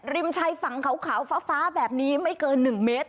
ริมชายฝั่งขาวฟ้าแบบนี้ไม่เกิน๑เมตร